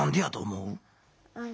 うん。